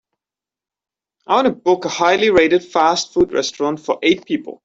I want to book a highly rated fast food restaurant for eight people.